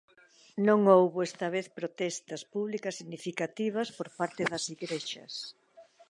Non houbo esta vez protestas públicas significativas por parte das igrexas.